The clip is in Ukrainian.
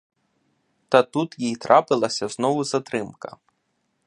Та тут їй трапилась знову затримка.